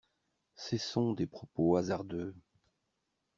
Cessons des propos hasardeux.